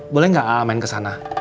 boleh gak ate main kesana